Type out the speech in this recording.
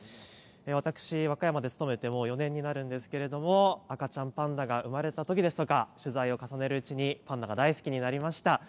私、和歌山に勤めて４年になるんですけれども赤ちゃんパンダが産まれた時でしたが取材を重ねるうちにパンダが大好きになりました。